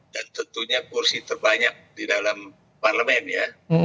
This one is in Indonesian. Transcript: dan tentunya kursi terbanyak di dalam parlement ya